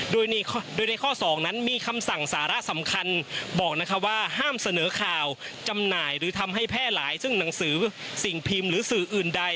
โดยในข้อ๒นั้นมีคำสั่งสาระสำคัญบอกว่าห้ามเสนอข่าวจำหน่ายหรือทำให้แพร่หลายซึ่งหนังสือสิ่งพิมพ์หรือสื่ออื่นใด